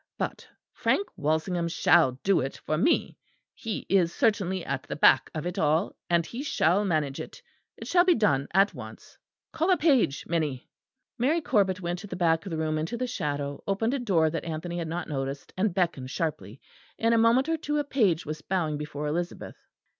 But Frank Walsingham shall do it for me. He is certainly at the back of it all, and he shall manage it. It shall be done at once. Call a page, Minnie." Mary Corbet went to the back of the room into the shadow, opened a door that Anthony had not noticed, and beckoned sharply; in a moment or two a page was bowing before Elizabeth.